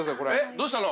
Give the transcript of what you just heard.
◆どうしたの？